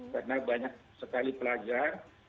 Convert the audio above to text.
karena banyak sekali pelajar